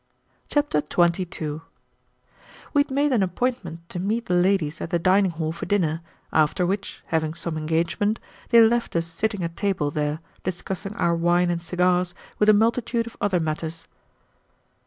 Chapter 22 We had made an appointment to meet the ladies at the dining hall for dinner, after which, having some engagement, they left us sitting at table there, discussing our wine and cigars with a multitude of other matters.